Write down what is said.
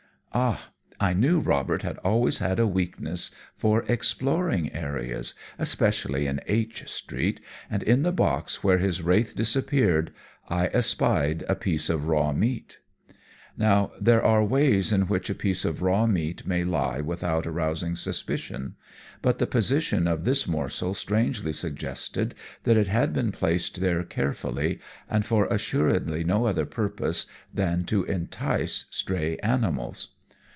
Ah! I knew Robert had always had a weakness for exploring areas, especially in H Street, and in the box where his wraith disappeared I espied a piece of raw meat! "Now there are ways in which a piece of raw meat may lie without arousing suspicion, but the position of this morsel strangely suggested that it had been placed there carefully, and for assuredly no other purpose than to entice stray animals.